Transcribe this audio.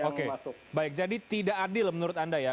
oke baik jadi tidak adil menurut anda ya